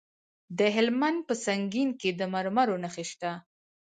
د هلمند په سنګین کې د مرمرو نښې شته.